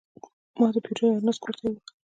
ما د پیرود اجناس کور ته یوړل.